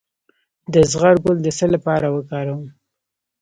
د زغر ګل د څه لپاره وکاروم؟